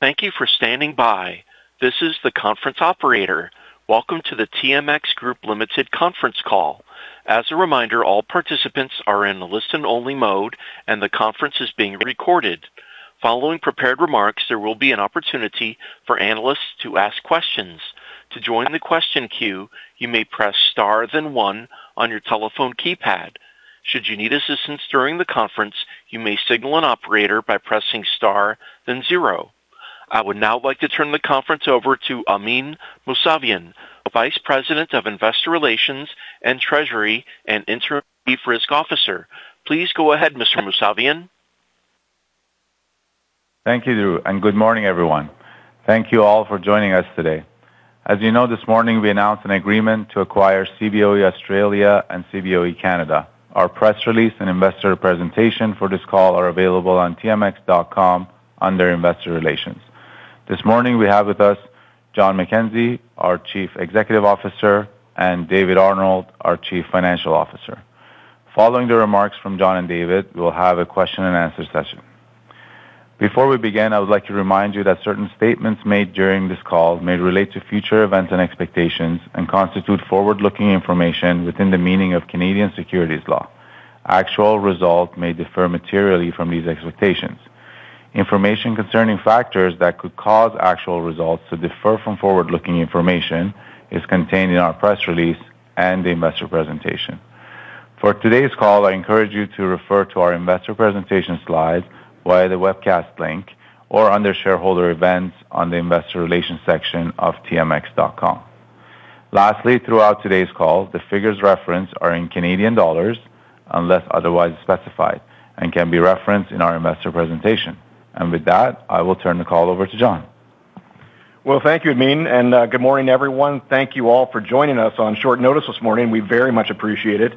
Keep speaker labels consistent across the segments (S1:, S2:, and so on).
S1: Thank you for standing by. This is the conference operator. Welcome to the TMX Group Limited conference call. As a reminder, all participants are in listen-only mode, and the conference is being recorded. Following prepared remarks, there will be an opportunity for analysts to ask questions. To join the question queue, you may press star, then one, on your telephone keypad. Should you need assistance during the conference, you may signal an operator by pressing star, then zero. I would now like to turn the conference over to Amin Mousavian, Vice President of Investor Relations and Treasury and Interim Chief Risk Officer. Please go ahead, Mr. Mousavian.
S2: Thank you, Drew, and good morning, everyone. Thank you all for joining us today. As you know, this morning we announced an agreement to acquire Cboe Australia and Cboe Canada. Our press release and investor presentation for this call are available on tmx.com under Investor Relations. This morning, we have with us John McKenzie, our Chief Executive Officer, and David Arnold, our Chief Financial Officer. Following the remarks from John and David, we'll have a question and answer session. Before we begin, I would like to remind you that certain statements made during this call may relate to future events and expectations and constitute forward-looking information within the meaning of Canadian securities law. Actual results may differ materially from these expectations. Information concerning factors that could cause actual results to differ from forward-looking information is contained in our press release and the investor presentation. For today's call, I encourage you to refer to our investor presentation slides via the webcast link or under shareholder events on the investor relations section of tmx.com. Lastly, throughout today's call, the figures referenced are in Canadian dollars unless otherwise specified and can be referenced in our investor presentation. With that, I will turn the call over to John.
S3: Well, thank you, Amin, and good morning, everyone. Thank you all for joining us on short notice this morning. We very much appreciate it.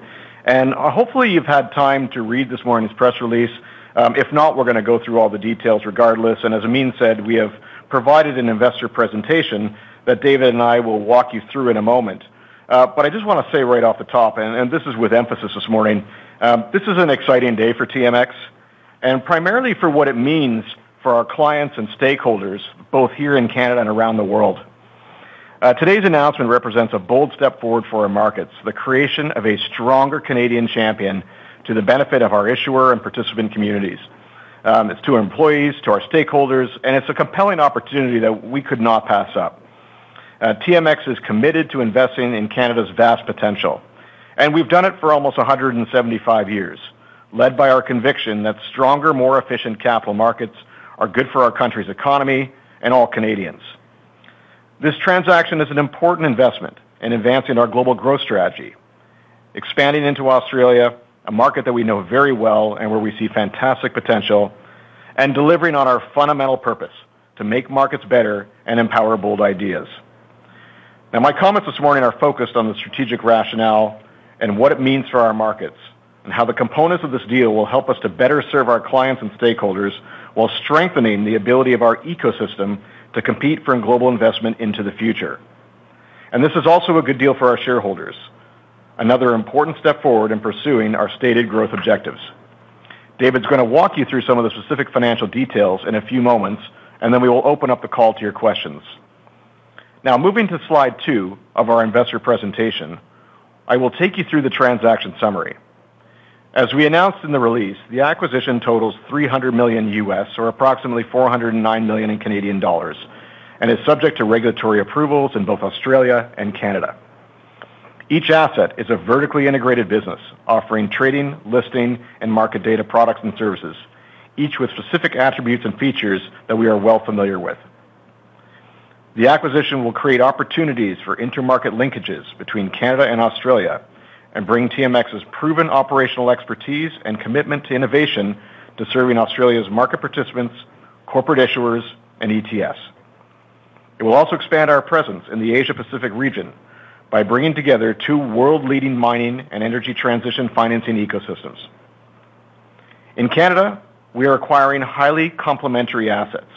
S3: Hopefully, you've had time to read this morning's press release. If not, we're going to go through all the details regardless. As Amin said, we have provided an investor presentation that David and I will walk you through in a moment. I just want to say right off the top, and this is with emphasis this morning, this is an exciting day for TMX and primarily for what it means for our clients and stakeholders, both here in Canada and around the world. Today's announcement represents a bold step forward for our markets, the creation of a stronger Canadian champion to the benefit of our issuer and participant communities, to our employees, to our stakeholders, and it's a compelling opportunity that we could not pass up. TMX is committed to investing in Canada's vast potential, and we've done it for almost 175 years, led by our conviction that stronger, more efficient capital markets are good for our country's economy and all Canadians. This transaction is an important investment in advancing our global growth strategy, expanding into Australia, a market that we know very well and where we see fantastic potential, and delivering on our fundamental purpose to make markets better, and empower bold ideas. Now, my comments this morning are focused on the strategic rationale and what it means for our markets and how the components of this deal will help us to better serve our clients and stakeholders while strengthening the ability of our ecosystem to compete for global investment into the future. This is also a good deal for our shareholders. Another important step forward in pursuing our stated growth objectives. David's going to walk you through some of the specific financial details in a few moments, and then we will open up the call to your questions. Now, moving to slide two of our investor presentation, I will take you through the transaction summary. As we announced in the release, the acquisition totals $300 million, or approximately 409 million, and is subject to regulatory approvals in both Australia and Canada. Each asset is a vertically integrated business offering trading, listing, and market data products and services, each with specific attributes and features that we are well familiar with. The acquisition will create opportunities for intermarket linkages between Canada and Australia and bring TMX's proven operational expertise and commitment to innovation to serving Australia's market participants, corporate issuers, and ETFs. It will also expand our presence in the Asia Pacific region by bringing together two world-leading mining and energy transition financing ecosystems. In Canada, we are acquiring highly complementary assets,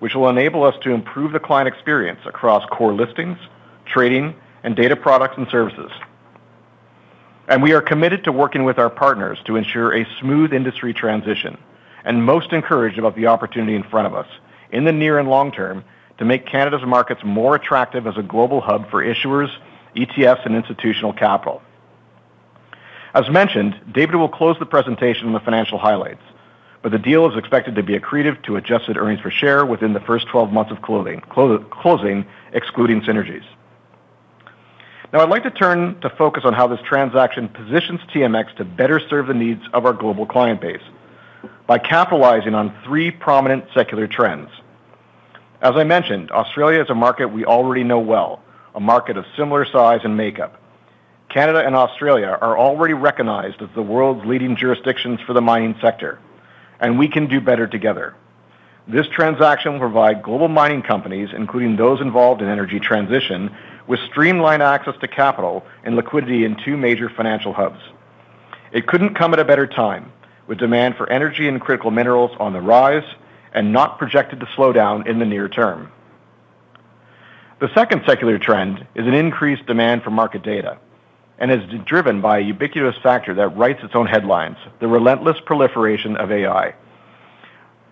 S3: which will enable us to improve the client experience across core listings, trading, and data products and services. We are committed to working with our partners to ensure a smooth industry transition and most encouraged about the opportunity in front of us in the near and long term to make Canada's markets more attractive as a global hub for issuers, ETFs, and institutional capital. As mentioned, David will close the presentation with financial highlights, but the deal is expected to be accretive to adjusted earnings per share within the first 12 months of closing, excluding synergies. Now I'd like to turn to focus on how this transaction positions TMX to better serve the needs of our global client base by capitalizing on three prominent secular trends. As I mentioned, Australia is a market we already know well, a market of similar size and makeup. Canada and Australia are already recognized as the world's leading jurisdictions for the mining sector, and we can do better together. This transaction will provide global mining companies, including those involved in energy transition, with streamlined access to capital and liquidity in two major financial hubs. It couldn't come at a better time, with demand for energy and critical minerals on the rise and not projected to slow down in the near term. The second secular trend is an increased demand for market data and is driven by a ubiquitous factor that writes its own headlines, the relentless proliferation of AI.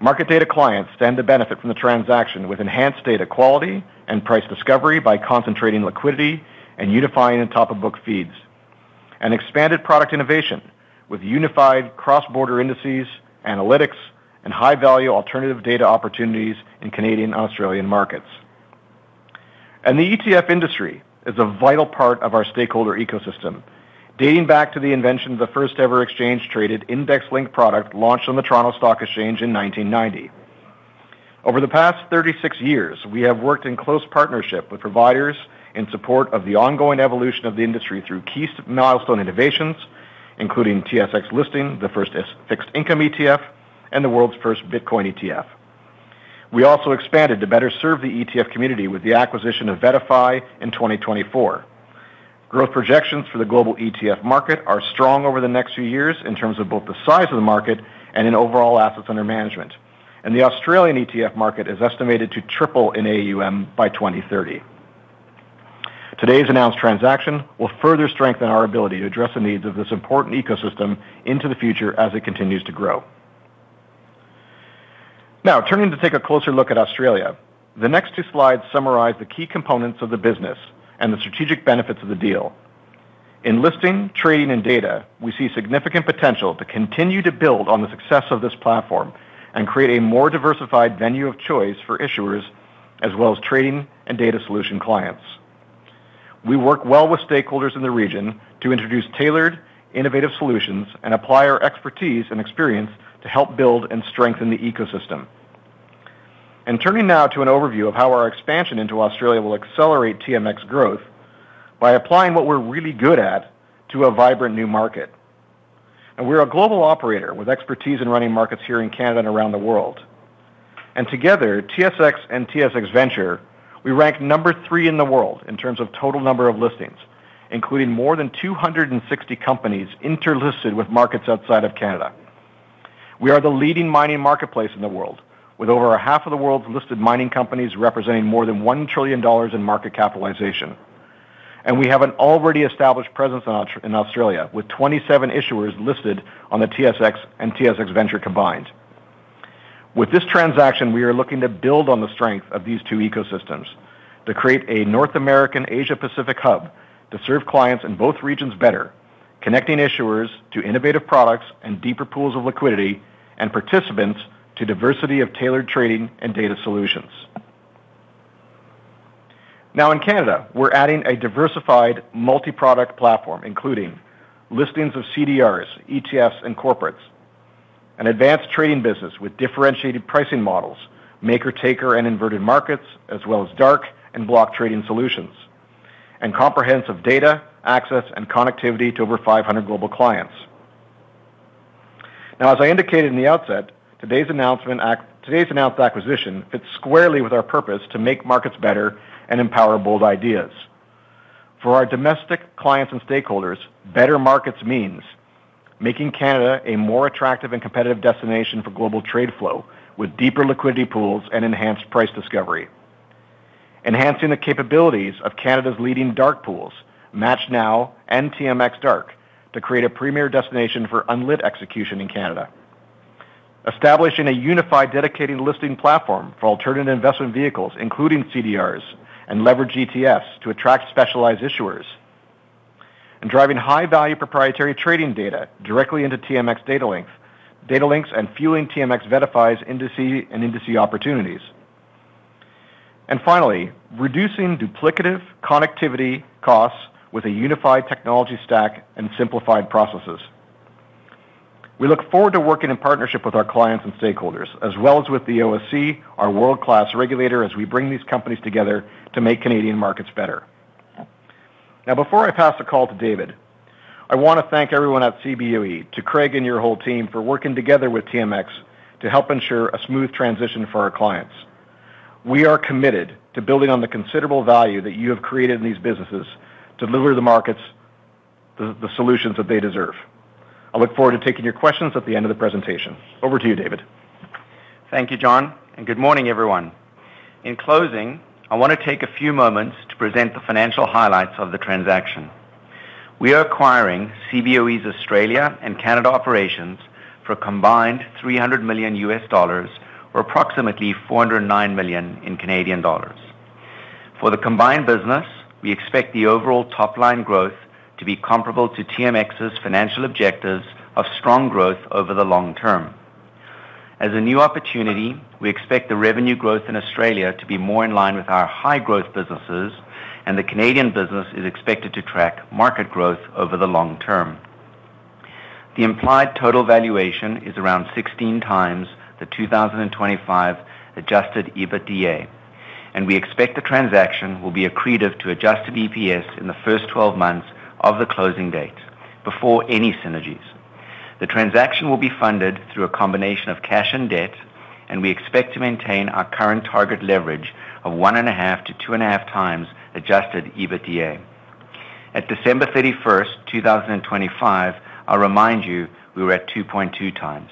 S3: Market data clients stand to benefit from the transaction with enhanced data quality and price discovery by concentrating liquidity and unifying top-of-book feeds. Expanded product innovation with unified cross-border indices, analytics, and high-value alternative data opportunities in Canadian and Australian markets. The ETF industry is a vital part of our stakeholder ecosystem, dating back to the invention of the first-ever exchange-traded index-link product launched on the Toronto Stock Exchange in 1990. Over the past 36 years, we have worked in close partnership with providers in support of the ongoing evolution of the industry through key milestone innovations, including TSX listing, the first fixed income ETF, and the world's first Bitcoin ETF. We also expanded to better serve the ETF community with the acquisition of VettaFi in 2024. Growth projections for the global ETF market are strong over the next few years in terms of both the size of the market and in overall assets under management. The Australian ETF market is estimated to triple in AUM by 2030. Today's announced transaction will further strengthen our ability to address the needs of this important ecosystem into the future as it continues to grow. Now, turning to take a closer look at Australia. The next two slides summarize the key components of the business and the strategic benefits of the deal. In listing, trading, and data, we see significant potential to continue to build on the success of this platform and create a more diversified venue of choice for issuers, as well as trading and data solution clients. We work well with stakeholders in the region to introduce tailored, innovative solutions and apply our expertise and experience to help build and strengthen the ecosystem. Turning now to an overview of how our expansion into Australia will accelerate TMX growth by applying what we're really good at to a vibrant new market. We're a global operator with expertise in running markets here in Canada and around the world. Together, TSX and TSX Venture, we rank number three in the world in terms of total number of listings, including more than 260 companies interlisted with markets outside of Canada. We are the leading mining marketplace in the world, with over a half of the world's listed mining companies representing more than 1 trillion dollars in market capitalization. We have an already established presence in Australia, with 27 issuers listed on the TSX and TSX Venture combined. With this transaction, we are looking to build on the strength of these two ecosystems to create a North American Asia Pacific hub to serve clients in both regions better, connecting issuers to innovative products and deeper pools of liquidity, and participants to diversity of tailored trading and data solutions. Now in Canada, we're adding a diversified multi-product platform, including listings of CDRs, ETFs, and corporates; an advanced trading business with differentiated pricing models, maker-taker, and inverted markets, as well as dark and block trading solutions; and comprehensive data access and connectivity to over 500 global clients. Now, as I indicated in the outset, today's announced acquisition fits squarely with our purpose to make markets better and empower bold ideas. For our domestic clients and stakeholders, better markets means making Canada a more attractive and competitive destination for global trade flow with deeper liquidity pools and enhanced price discovery, enhancing the capabilities of Canada's leading dark pools, MATCHNow and TSX DRK, to create a premier destination for unlit execution in Canada, establishing a unified, dedicated listing platform for alternative investment vehicles, including CDRs and leveraged ETFs, to attract specialized issuers. Driving high-value proprietary trading data directly into TMX Datalinx and fueling TMX VettaFi's indices and indices opportunities. Finally, reducing duplicative connectivity costs with a unified technology stack and simplified processes. We look forward to working in partnership with our clients and stakeholders, as well as with the OSC, our world-class regulator, as we bring these companies together to make Canadian markets better. Now, before I pass the call to David, I want to thank everyone at Cboe, to Craig and your whole team for working together with TMX to help ensure a smooth transition for our clients. We are committed to building on the considerable value that you have created in these businesses to deliver the solutions that they deserve. I look forward to taking your questions at the end of the presentation. Over to you, David.
S4: Thank you, John, and good morning, everyone. In closing, I want to take a few moments to present the financial highlights of the transaction. We are acquiring Cboe's Australia and Canada operations for a combined $300 million, or approximately 409 million. For the combined business, we expect the overall top-line growth to be comparable to TMX's financial objectives of strong growth over the long term. As a new opportunity, we expect the revenue growth in Australia to be more in line with our high-growth businesses, and the Canadian business is expected to track market growth over the long term. The implied total valuation is around 16x the 2025 adjusted EBITDA, and we expect the transaction will be accretive to adjusted EPS in the first 12 months of the closing date before any synergies. The transaction will be funded through a combination of cash and debt, and we expect to maintain our current target leverage of 1.5x-2.5x adjusted EBITDA. At December 31st, 2025, I'll remind you, we were at 2.2x.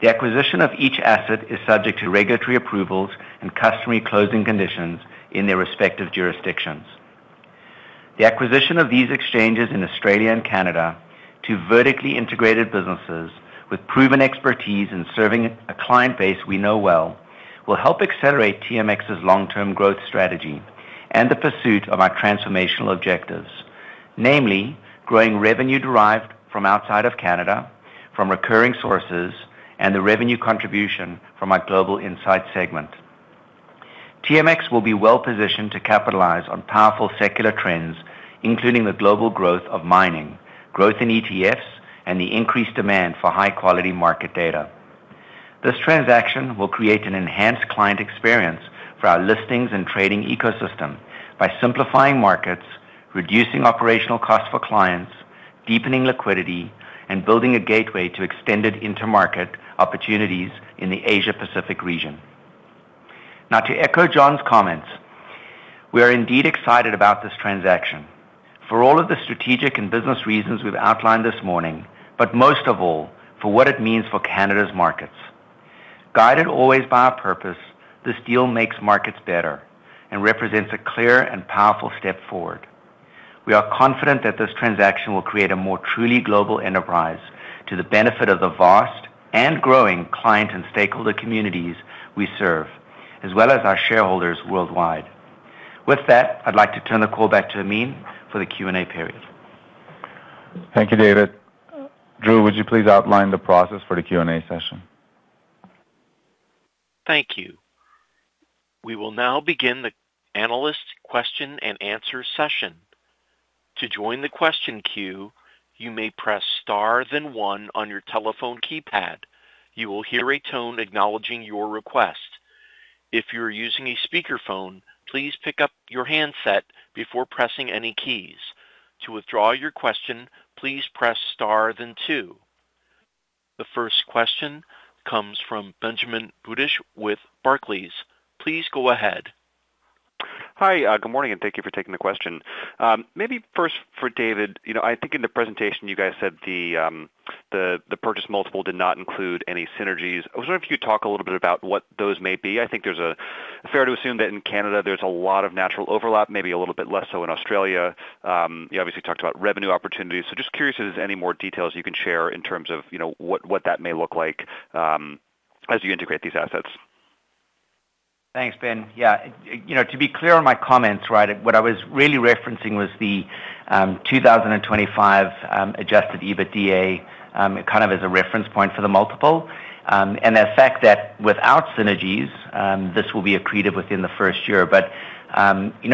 S4: The acquisition of each asset is subject to regulatory approvals and customary closing conditions in their respective jurisdictions. The acquisition of these exchanges in Australia and Canada to vertically integrated businesses with proven expertise in serving a client base we know well will help accelerate TMX's long-term growth strategy and the pursuit of our transformational objectives, namely, growing revenue derived from outside of Canada, from recurring sources, and the revenue contribution from our Global Insights segment. TMX will be well-positioned to capitalize on powerful secular trends, including the global growth of mining, growth in ETFs, and the increased demand for high-quality market data. This transaction will create an enhanced client experience for our listings and trading ecosystem by simplifying markets, reducing operational costs for clients, deepening liquidity, and building a gateway to extended intermarket opportunities in the Asia Pacific region. Now, to echo John's comments, we are indeed excited about this transaction. For all of the strategic and business reasons we've outlined this morning, but most of all, for what it means for Canada's markets. Guided always by our purpose, this deal makes markets better and represents a clear and powerful step forward. We are confident that this transaction will create a more truly global enterprise to the benefit of the vast and growing client and stakeholder communities we serve, as well as our shareholders worldwide. With that, I'd like to turn the call back to Amin for the Q&A period.
S2: Thank you, David. Drew, would you please outline the process for the Q&A session?
S1: Thank you. We will now begin the analyst question and answer session. To join the question queue, you may press star, then one, on your telephone keypad. You will hear a tone acknowledging your request. If you're using a speakerphone, please pick up your handset before pressing any keys. To withdraw your question, please press star, then two. The first question comes from Benjamin Budish with Barclays. Please go ahead.
S5: Hi. Good morning, and thank you for taking the question. Maybe first for David, I think in the presentation you guys said the purchase multiple did not include any synergies. I was wondering if you could talk a little bit about what those may be. I think fair to assume that in Canada there's a lot of natural overlap, maybe a little bit less so in Australia. You obviously talked about revenue opportunities. Just curious if there's any more details you can share in terms of what that may look like as you integrate these assets.
S4: Thanks, Ben. Yeah. To be clear on my comments, what I was really referencing was the 2025 adjusted EBITDA, kind of as a reference point for the multiple. The fact that without synergies, this will be accretive within the first year.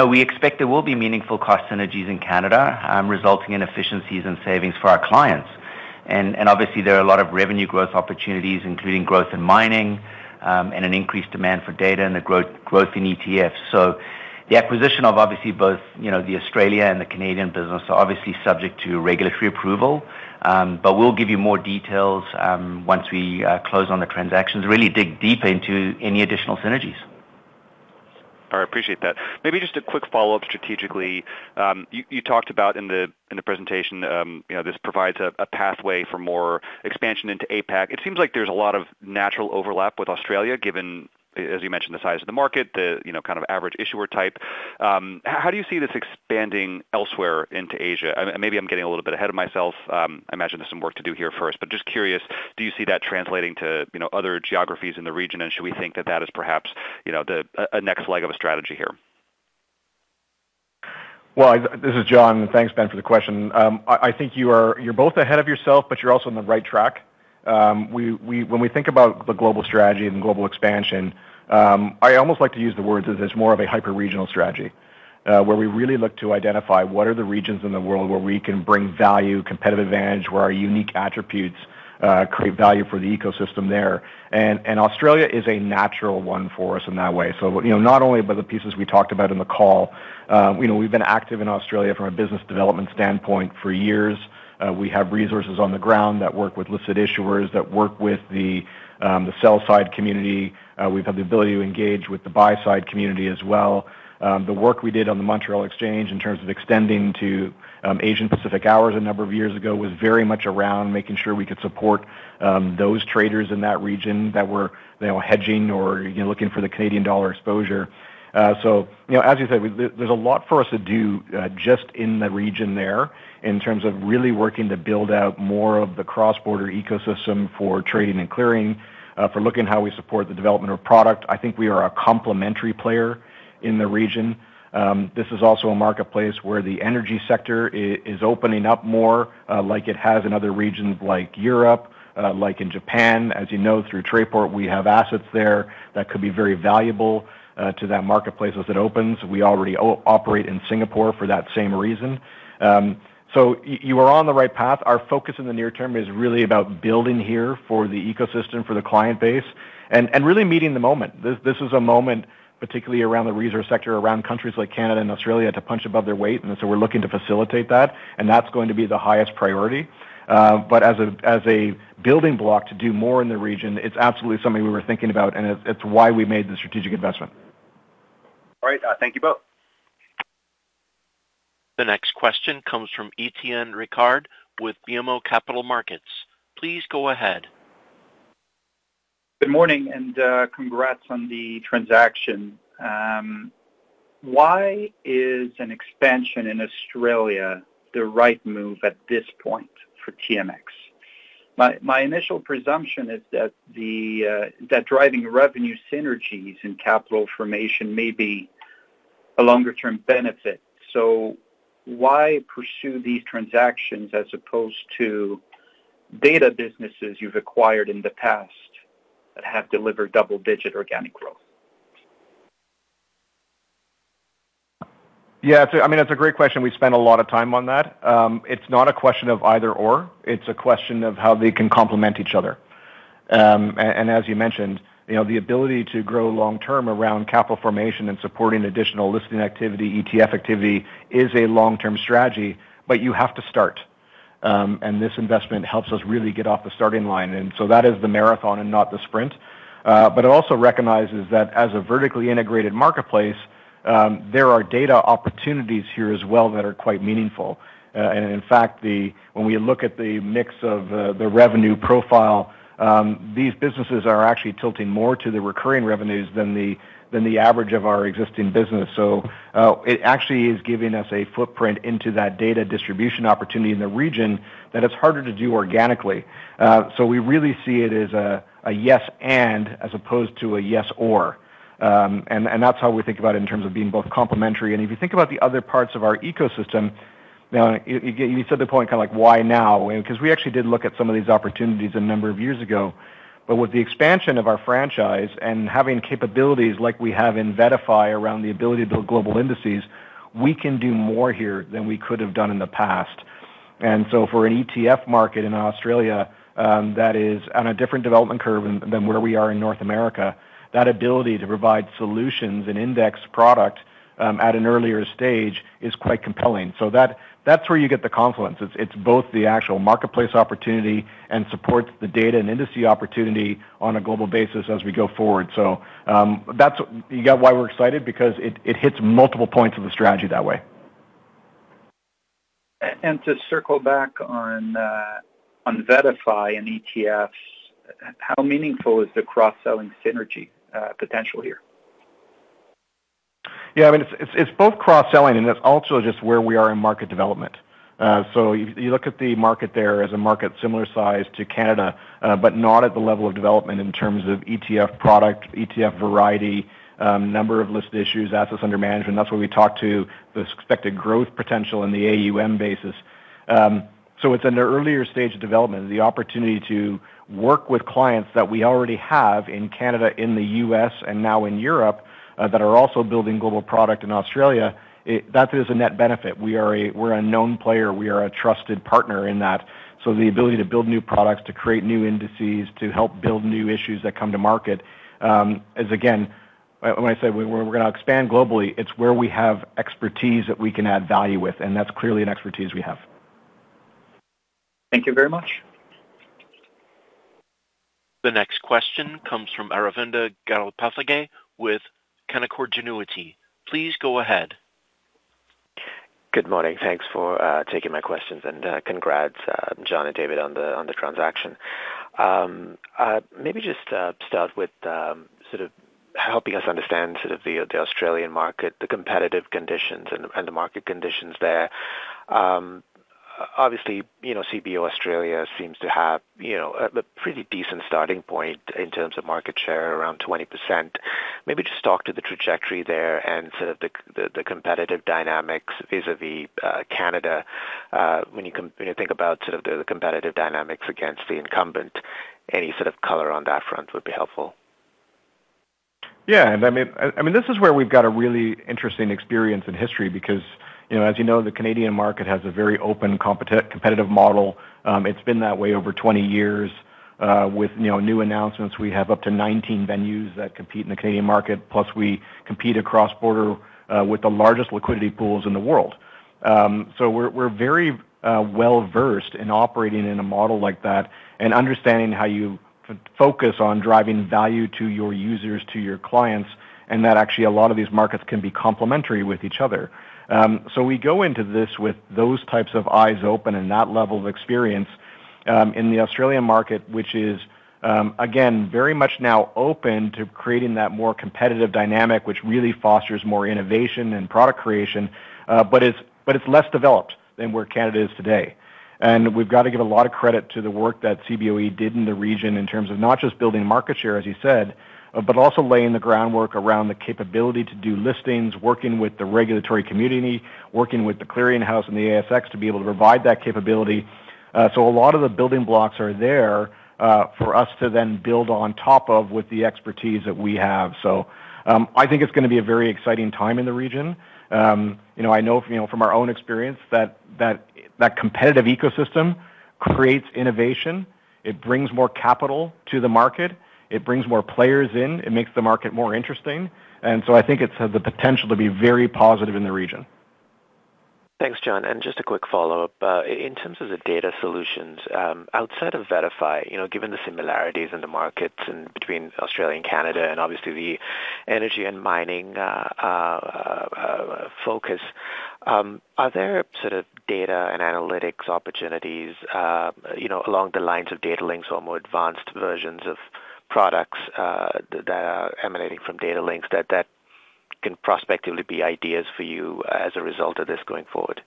S4: We expect there will be meaningful cost synergies in Canada, resulting in efficiencies and savings for our clients. Obviously there are a lot of revenue growth opportunities, including growth in mining, and an increased demand for data, and the growth in ETFs. The acquisition of, obviously, both the Australian and the Canadian business are obviously subject to regulatory approval. We'll give you more details once we close on the transactions. We'll really dig deeper into any additional synergies.
S5: All right. Appreciate that. Maybe just a quick follow-up strategically. You talked about in the presentation this provides a pathway for more expansion into APAC. It seems like there's a lot of natural overlap with Australia, given, as you mentioned, the size of the market, the average issuer type. How do you see this expanding elsewhere into Asia? Maybe I'm getting a little bit ahead of myself. I imagine there's some work to do here first, but just curious, do you see that translating to other geographies in the region? Should we think that that is perhaps a next leg of a strategy here?
S3: Well, this is John. Thanks, Ben, for the question. I think you're both ahead of yourself, but you're also on the right track. When we think about the global strategy and global expansion, I almost like to use the words as it's more of a hyper-regional strategy. Where we really look to identify what are the regions in the world where we can bring value, competitive advantage, where our unique attributes create value for the ecosystem there. Australia is a natural one for us in that way. Not only by the pieces we talked about on the call. We've been active in Australia from a business development standpoint for years. We have resources on the ground that work with listed issuers, that work with the sell-side community. We've had the ability to engage with the buy-side community as well. The work we did on the Montreal Exchange in terms of extending to Asia-Pacific hours a number of years ago was very much around making sure we could support those traders in that region that were hedging or looking for the Canadian dollar exposure. As you said, there's a lot for us to do just in the region there in terms of really working to build out more of the cross-border ecosystem for trading and clearing, for looking how we support the development of product. I think we are a complementary player in the region. This is also a marketplace where the energy sector is opening up more, like it has in other regions like Europe, like in Japan. As you know, through Trayport, we have assets there that could be very valuable to that marketplace as it opens. We already operate in Singapore for that same reason. You are on the right path. Our focus in the near term is really about building here for the ecosystem, for the client base, and really meeting the moment. This is a moment, particularly around the resource sector, around countries like Canada and Australia to punch above their weight, and so we're looking to facilitate that, and that's going to be the highest priority. As a building block to do more in the region, it's absolutely something we were thinking about, and it's why we made the strategic investment.
S5: All right. Thank you both.
S1: The next question comes from Étienne Ricard with BMO Capital Markets. Please go ahead.
S6: Good morning, and congrats on the transaction. Why is an expansion in Australia the right move at this point for TMX? My initial presumption is that driving revenue synergies in capital formation may be a longer-term benefit. Why pursue these transactions as opposed to data businesses you've acquired in the past that have delivered double-digit organic growth?
S3: Yeah. That's a great question. We spent a lot of time on that. It's not a question of either/or. It's a question of how they can complement each other. As you mentioned, the ability to grow long-term around capital formation and supporting additional listing activity, ETF activity is a long-term strategy, but you have to start. This investment helps us really get off the starting line. That is the marathon and not the sprint. It also recognizes that as a vertically integrated marketplace, there are data opportunities here as well that are quite meaningful. In fact, when we look at the mix of the revenue profile, these businesses are actually tilting more to the recurring revenues than the average of our existing business. It actually is giving us a footprint into that data distribution opportunity in the region that is harder to do organically. We really see it as a "yes, and" as opposed to a "yes, or." That's how we think about it in terms of being both complementary. If you think about the other parts of our ecosystem, you hit the point, why now? Because we actually did look at some of these opportunities a number of years ago. With the expansion of our franchise and having capabilities like we have in VettaFi around the ability to build global indices, we can do more here than we could have done in the past. For an ETF market in Australia, that is on a different development curve than where we are in North America, that ability to provide solutions and index product at an earlier stage is quite compelling. That's where you get the confluence. It's both the actual marketplace opportunity and supports the data and industry opportunity on a global basis as we go forward. You got why we're excited? Because it hits multiple points of the strategy that way.
S6: To circle back on VettaFi and ETFs, how meaningful is the cross-selling synergy potential here?
S3: Yeah. It's both cross-selling, and it's also just where we are in market development. You look at the market there as a market similar size to Canada, but not at the level of development in terms of ETF product, ETF variety, number of listed issues, assets under management. That's where we talk to the expected growth potential in the AUM basis. It's in the earlier stage of development, the opportunity to work with clients that we already have in Canada, in the U.S., and now in Europe, that are also building global product in Australia. That is a net benefit. We're a known player. We are a trusted partner in that. The ability to build new products, to create new indices, to help build new issues that come to market, is again, when I say we're going to expand globally, it's where we have expertise that we can add value with, and that's clearly an expertise we have.
S6: Thank you very much.
S1: The next question comes from Aravinda Galappatthige with Canaccord Genuity. Please go ahead.
S7: Good morning. Thanks for taking my questions, and congrats, John and David, on the transaction. Maybe just start with sort of helping us understand the Australian market, the competitive conditions, and the market conditions there. Obviously, Cboe Australia seems to have a pretty decent starting point in terms of market share, around 20%. Maybe just talk to the trajectory there and sort of the competitive dynamics vis-à-vis Canada when you think about the competitive dynamics against the incumbent. Any sort of color on that front would be helpful.
S3: Yeah. This is where we've got a really interesting experience in history because, as you know, the Canadian market has a very open, competitive model. It's been that way over 20 years. With new announcements, we have up to 19 venues that compete in the Canadian market, plus we compete across border with the largest liquidity pools in the world. We're very well-versed in operating in a model like that and understanding how you focus on driving value to your users, to your clients, and that actually a lot of these markets can be complementary with each other. We go into this with those types of eyes open and that level of experience in the Australian market, which is, again, very much now open to creating that more competitive dynamic, which really fosters more innovation and product creation, but it's less developed than where Canada is today. We've got to give a lot of credit to the work that Cboe did in the region in terms of not just building market share, as you said, but also laying the groundwork around the capability to do listings, working with the regulatory community, working with the clearinghouse and the ASX to be able to provide that capability. A lot of the building blocks are there for us to then build on top of with the expertise that we have. I think it's going to be a very exciting time in the region. I know from our own experience that competitive ecosystem creates innovation. It brings more capital to the market. It brings more players in. It makes the market more interesting. I think it has the potential to be very positive in the region.
S7: Thanks, John. Just a quick follow-up. In terms of the data solutions, outside of VettaFi, given the similarities in the markets between Australia and Canada and obviously the energy and mining Are there sort of data and analytics opportunities along the lines of TMX Datalinx or more advanced versions of products that are emanating from TMX Datalinx that can prospectively be ideas for you as a result of this going forward?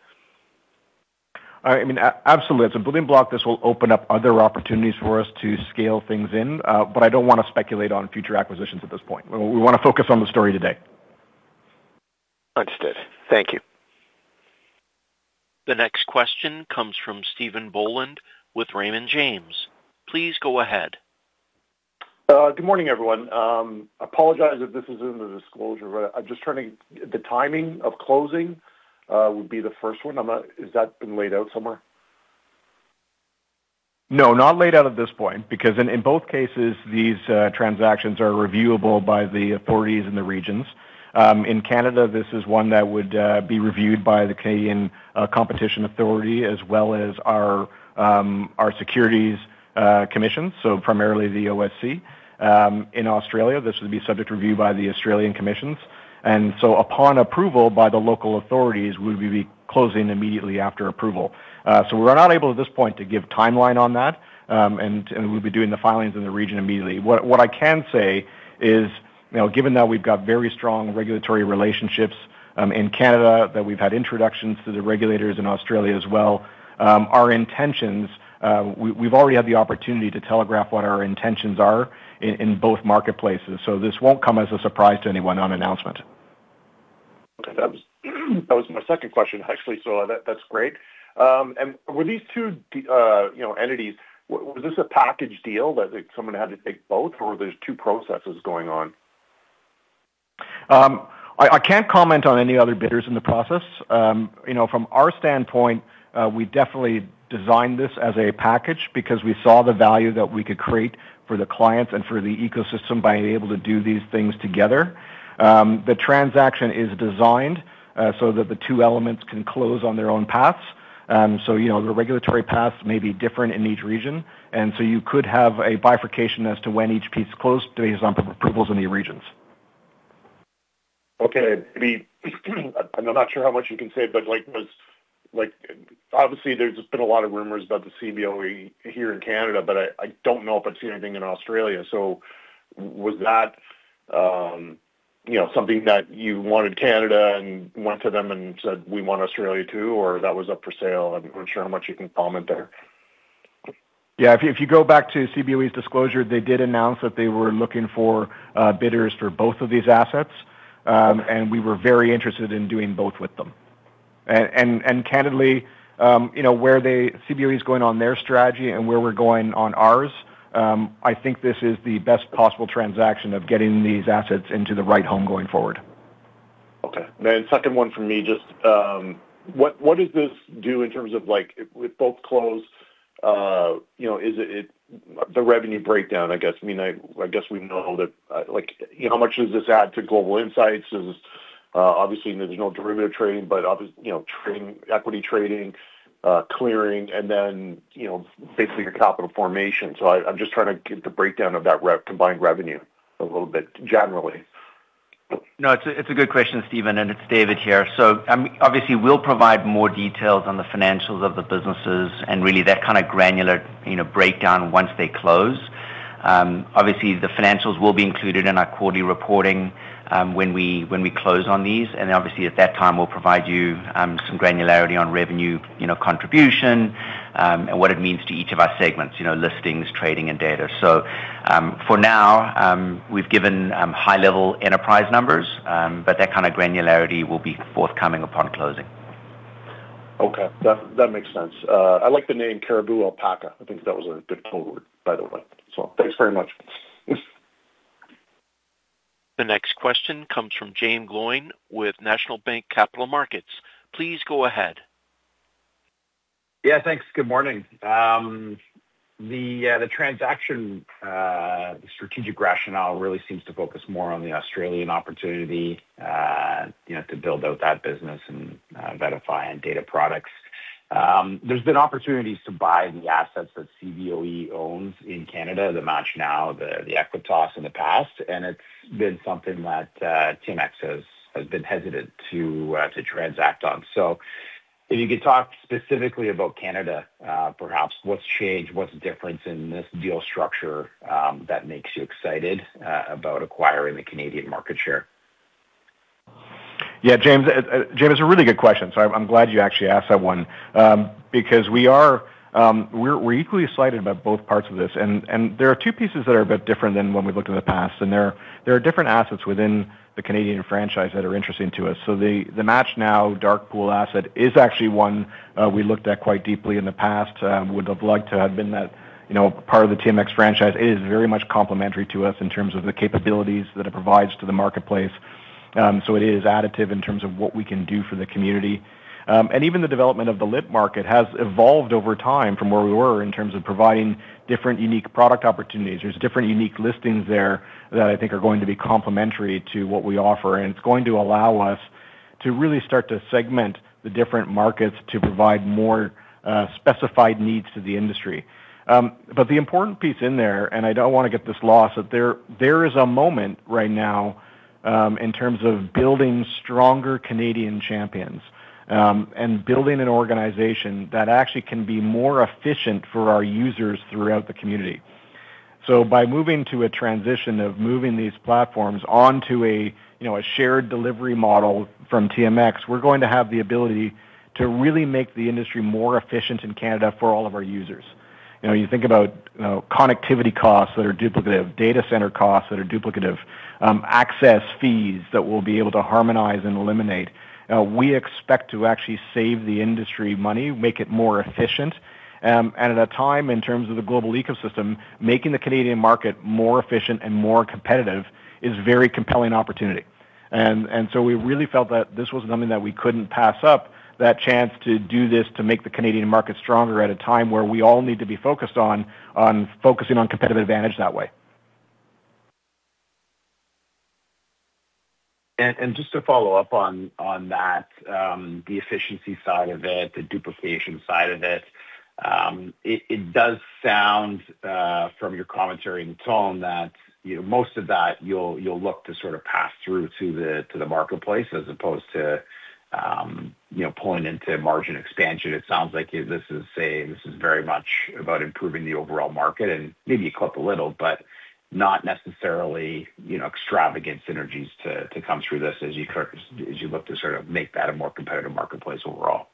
S3: All right. Absolutely. It's a building block. This will open up other opportunities for us to scale things in. I don't want to speculate on future acquisitions at this point. We want to focus on the story today.
S7: Understood. Thank you.
S1: The next question comes from Stephen Boland with Raymond James. Please go ahead.
S8: Good morning, everyone. I apologize if this is in the disclosure, but the timing of closing would be the first one. Has that been laid out somewhere?
S3: No, not laid out at this point, because in both cases, these transactions are reviewable by the authorities in the regions. In Canada, this is one that would be reviewed by the Competition Bureau as well as our Securities Commission, so primarily the OSC. In Australia, this would be subject to review by the Australian Commissions. Upon approval by the local authorities, we'll be closing immediately after approval. We're not able at this point to give timeline on that, and we'll be doing the filings in the region immediately. What I can say is, given that we've got very strong regulatory relationships in Canada, that we've had introductions to the regulators in Australia as well, we've already had the opportunity to telegraph what our intentions are in both marketplaces. This won't come as a surprise to anyone on announcement.
S8: Okay, that was my second question actually, so that's great. Were these two entities? Was this a package deal that someone had to take both, or were there two processes going on?
S3: I can't comment on any other bidders in the process. From our standpoint, we definitely designed this as a package because we saw the value that we could create for the clients and for the ecosystem by being able to do these things together. The transaction is designed so that the two elements can close on their own paths. The regulatory paths may be different in each region, and so you could have a bifurcation as to when each piece closed based on approvals in the regions.
S8: Okay. I'm not sure how much you can say, but obviously there's just been a lot of rumors about the Cboe here in Canada, but I don't know if I'd seen anything in Australia. Was that something that you wanted in Canada and went to them and said, "We want Australia too," or that was up for sale? I'm not sure how much you can comment there.
S3: Yeah. If you go back to Cboe's disclosure, they did announce that they were looking for bidders for both of these assets, and we were very interested in doing both with them. Candidly, where Cboe is going on their strategy and where we're going on ours, I think this is the best possible transaction of getting these assets into the right home going forward.
S8: Okay. Second one for me, just what does this do in terms of with both closed, the revenue breakdown, I guess? How much does this add to Global Insights? Obviously, there's no derivative trading, but equity trading, clearing, and then basically your capital formation. I'm just trying to get the breakdown of that combined revenue a little bit, generally.
S4: No, it's a good question, Stephen, and it's David here. Obviously we'll provide more details on the financials of the businesses and really that kind of granular breakdown once they close. Obviously, the financials will be included in our quarterly reporting when we close on these. Obviously at that time, we'll provide you some granularity on revenue contribution and what it means to each of our segments: Listings, Trading, and Data. For now, we've given high-level enterprise numbers, but that kind of granularity will be forthcoming upon closing.
S8: Okay. That makes sense. I like the name Caribou Alpaca. I think that was a good code word, by the way. Thanks very much.
S1: The next question comes from Jaeme Gloyn with National Bank Capital Markets. Please go ahead.
S9: Yeah, thanks. Good morning. The transaction strategic rationale really seems to focus more on the Australian opportunity to build out that business and a [variety] of end data products. There have been opportunities to buy the assets that Cboe owns in Canada, the MATCHNow, the Aequitas in the past, and it's been something that TMX has been hesitant to transact on. If you could talk specifically about Canada, perhaps what's changed, what's different in this deal structure that makes you excited about acquiring the Canadian market share?
S3: Yeah, Jaeme. Jaeme, that's a really good question, so I'm glad you actually asked that one. Because we're equally excited about both parts of this, and there are two pieces that are a bit different than when we've looked in the past, and there are different assets within the Canadian franchise that are interesting to us. The MATCHNow dark pool asset is actually one we looked at quite deeply in the past, would have liked to have been that part of the TMX franchise. It is very much complementary to us in terms of the capabilities that it provides to the marketplace. It is additive in terms of what we can do for the community. Even the development of the lit market has evolved over time from where we were in terms of providing different unique product opportunities. There's different unique listings there that I think are going to be complementary to what we offer, and it's going to allow us to really start to segment the different markets to provide more specified needs to the industry. The important piece in there, and I don't want to get this lost, that there is a moment right now, in terms of building stronger Canadian champions, and building an organization that actually can be more efficient for our users throughout the community. By moving to a transition of moving these platforms onto a shared delivery model from TMX, we're going to have the ability to really make the industry more efficient in Canada for all of our users. You think about connectivity costs that are duplicative, data center costs that are duplicative, access fees that we'll be able to harmonize and eliminate. We expect to actually save the industry money, make it more efficient. At a time, in terms of the global ecosystem, making the Canadian market more efficient and more competitive is a very compelling opportunity. We really felt that this was something that we couldn't pass up, that chance to do this, to make the Canadian market stronger at a time where we all need to be focused on competitive advantage that way.
S9: Just to follow up on that, the efficiency side of it, the duplication side of it. It does sound, from your commentary and tone, that most of that you'll look to sort of pass through to the marketplace as opposed to pulling into margin expansion. It sounds like this is very much about improving the overall market, and maybe you clip a little, but not necessarily extravagant synergies to come through this as you look to sort of make that a more competitive marketplace overall.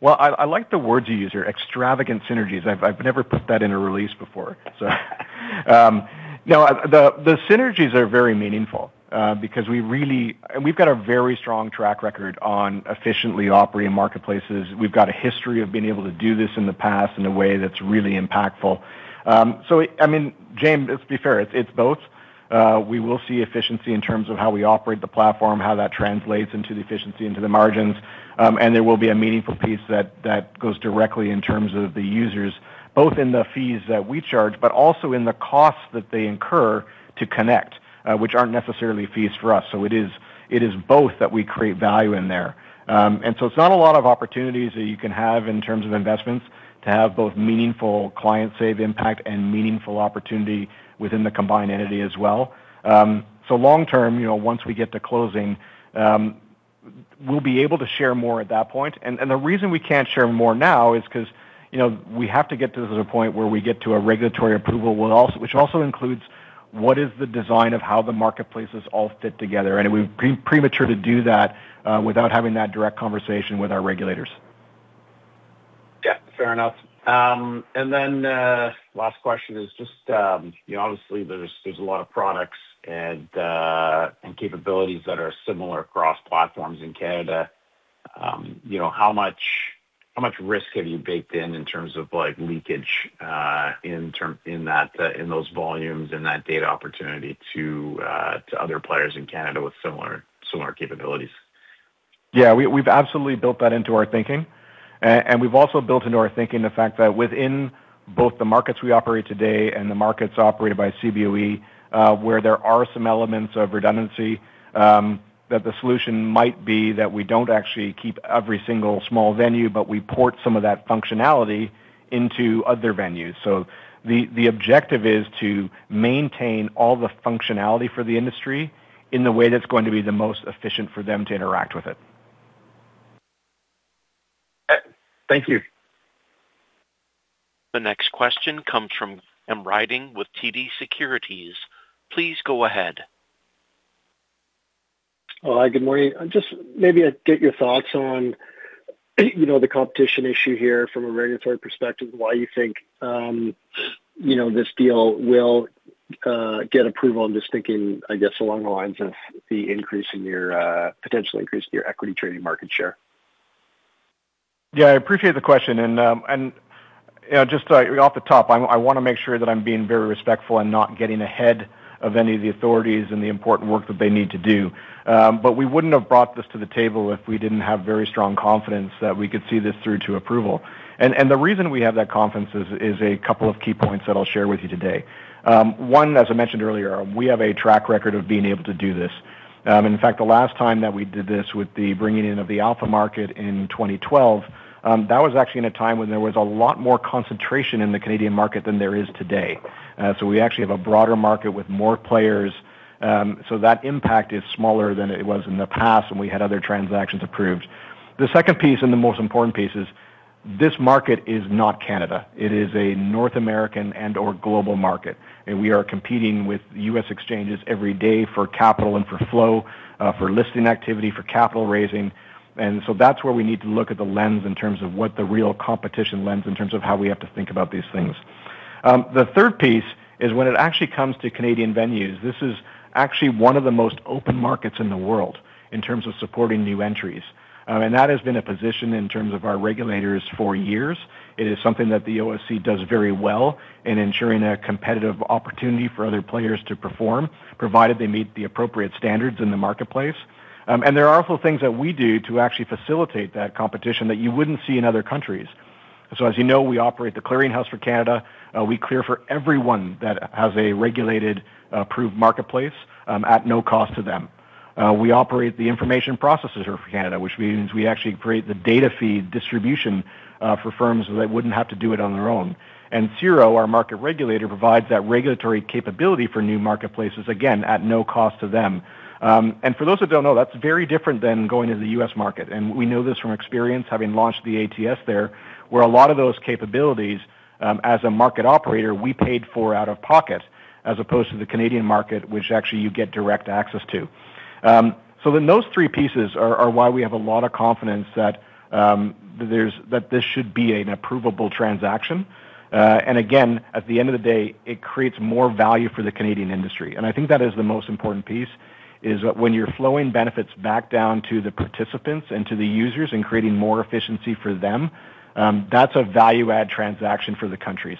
S3: Well, I like the words you use there, extravagant synergies. I've never put that in a release before. The synergies are very meaningful because we've got a very strong track record on efficiently operating marketplaces. We've got a history of being able to do this in the past in a way that's really impactful. I mean, Jaeme, let's be fair. It's both. We will see efficiency in terms of how we operate the platform, how that translates into the efficiency into the margins. There will be a meaningful piece that goes directly in terms of the users, both in the fees that we charge, but also in the costs that they incur to connect, which aren't necessarily fees for us. It is both that we create value in there. It's not a lot of opportunities that you can have in terms of investments to have both meaningful client save impact and meaningful opportunity within the combined entity as well. Long term, once we get to closing, we'll be able to share more at that point. The reason we can't share more now is because we have to get to a point where we get to a regulatory approval, which also includes what is the design of how the marketplaces all fit together. It would be premature to do that without having that direct conversation with our regulators.
S9: Yeah, fair enough. Last question is just, obviously, there's a lot of products and capabilities that are similar across platforms in Canada. How much risk have you baked in terms of leakage in those volumes and that data opportunity to other players in Canada with similar capabilities?
S3: Yeah, we've absolutely built that into our thinking. We've also built into our thinking the fact that within both the markets we operate today and the markets operated by Cboe, where there are some elements of redundancy, that the solution might be that we don't actually keep every single small venue, but we port some of that functionality into other venues. The objective is to maintain all the functionality for the industry in the way that's going to be the most efficient for them to interact with it.
S9: Thank you.
S1: The next question comes from Graham Ryding with TD Securities. Please go ahead.
S10: Hi, good morning. Just maybe get your thoughts on the competition issue here from a regulatory perspective. Why you think this deal will get approval? I'm just thinking, I guess, along the lines of the potential increase in your equity trading market share.
S3: Yeah, I appreciate the question. Just off the top, I want to make sure that I'm being very respectful and not getting ahead of any of the authorities and the important work that they need to do. We wouldn't have brought this to the table if we didn't have very strong confidence that we could see this through to approval. The reason we have that confidence is a couple of key points that I'll share with you today. One, as I mentioned earlier, we have a track record of being able to do this. In fact, the last time that we did this with the bringing in of the Alpha market in 2012, that was actually in a time when there was a lot more concentration in the Canadian market than there is today. We actually have a broader market with more players. That impact is smaller than it was in the past when we had other transactions approved. The second piece, and the most important piece, is this market is not Canada. It is a North American and/or global market, and we are competing with U.S. exchanges every day for capital and for flow, for listing activity, for capital raising. That's where we need to look at the lens in terms of what the real competition lens, in terms of how we have to think about these things. The third piece is when it actually comes to Canadian venues. This is actually one of the most open markets in the world in terms of supporting new entries. That has been a position in terms of our regulators for years. It is something that the OSC does very well in ensuring a competitive opportunity for other players to perform, provided they meet the appropriate standards in the marketplace. There are also things that we do to actually facilitate that competition that you wouldn't see in other countries. As you know, we operate the clearinghouse for Canada. We clear for everyone that has a regulated, approved marketplace at no cost to them. We operate the information processes for Canada, which means we actually create the data feed distribution for firms so they wouldn't have to do it on their own. CIRO, our market regulator, provides that regulatory capability for new marketplaces, again, at no cost to them. For those who don't know, that's very different than going to the U.S. market. We know this from experience, having launched the ATS there, where a lot of those capabilities, as a market operator, we paid for out of pocket, as opposed to the Canadian market, which actually you get direct access to. Those three pieces are why we have a lot of confidence that this should be an approvable transaction. At the end of the day, it creates more value for the Canadian industry. I think that is the most important piece, is when you're flowing benefits back down to the participants and to the users and creating more efficiency for them, that's a value add transaction for the country.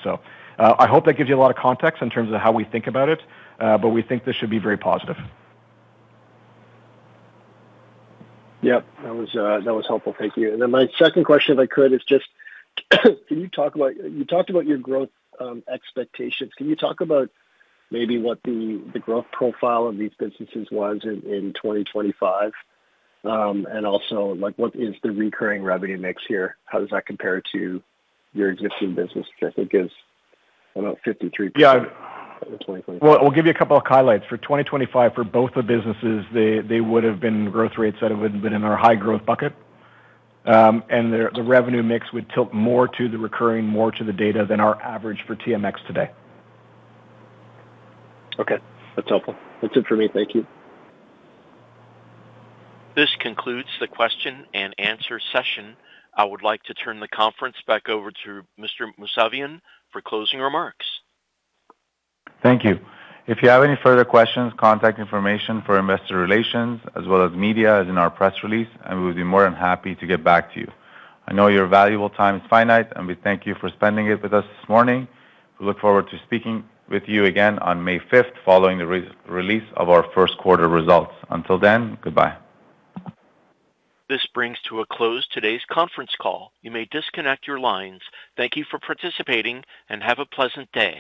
S3: I hope that gives you a lot of context in terms of how we think about it, but we think this should be very positive.
S10: Yep. That was helpful. Thank you. Then my second question, if I could, is just, can you talk about. You talked about your growth expectations. Can you talk about maybe what the growth profile of these businesses was in 2025, and also what is the recurring revenue mix here? How does that compare to your existing business, which I think is about 53% in 2025?
S3: Well, I'll give you a couple of highlights. For 2025, for both the businesses, they would've been growth rates that would've been in our high growth bucket, and the revenue mix would tilt more to the recurring, more to the data than our average for TMX today.
S10: Okay. That's helpful. That's it for me. Thank you.
S1: This concludes the question and answer session. I would like to turn the conference back over to Mr. Mousavian for closing remarks.
S2: Thank you. If you have any further questions, contact information for investor relations as well as media is in our press release, and we would be more than happy to get back to you. I know your valuable time is finite, and we thank you for spending it with us this morning. We look forward to speaking with you again on May 5th following the release of our first quarter results. Until then, goodbye.
S1: This brings to a close today's conference call. You may disconnect your lines. Thank you for participating and have a pleasant day.